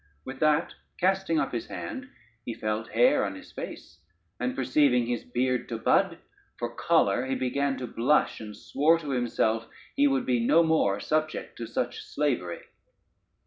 With that casting up his hand he felt hair on his face, and perceiving his beard to bud, for choler he began to blush, and swore to himself he would be no more subject to such slavery.